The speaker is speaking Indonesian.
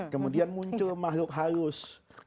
kemudian muncul mahluk halus